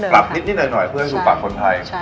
นิดหน่อยเพื่อให้ดูปากคนไทย